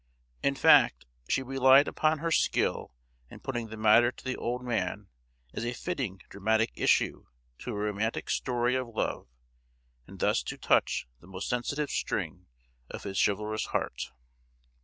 In fact, she relied upon her skill in putting the matter to the old man as a fitting dramatic issue to a romantic story of love, and thus to touch the most sensitive string of his chivalrous heart.